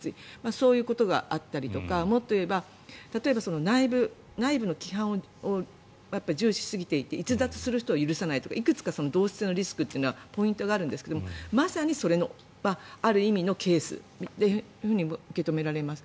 そういうことがあったりとかもっといえば内部の規範を重視しすぎていて逸脱する人は許さないとかいくつかリスクにはポイントがあるんですがまさにそれのある意味のケースというふうに受け止められます。